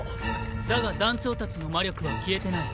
だが団長たちの魔力は消えてない。